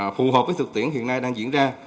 phù hợp với thực tiễn hiện nay đang diễn ra